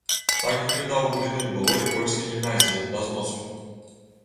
Так выглядаў будынак былой польскай гімназіі да зносу.